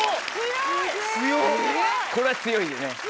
これは強いよね。